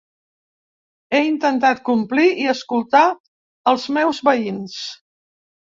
He intentat complir i escoltar els meus veïns.